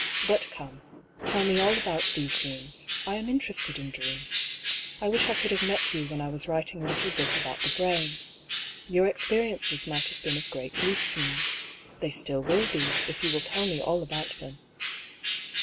" But come, tell me all about these dreams ; I am interested in dreams. I wish I could have met you when I was writing a little book about the brain. Your experiences might have been of great use to me. They still will be, if you will tell me all about them."